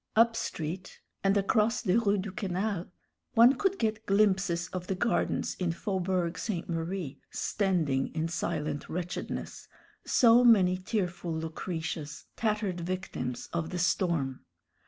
Up street, and across the Rue du Canal, one could get glimpses of the gardens in Faubourg Ste. Marie standing in silent wretchedness, so many tearful Lucretias, tattered victims of the storm.